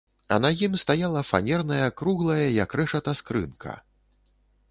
А на ім стаяла фанерная круглая, як рэшата, скрынка.